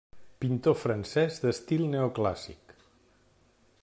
Pintor francès d'estil neoclàssic.